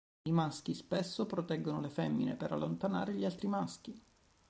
I maschi spesso proteggono le femmine per allontanare gli altri maschi.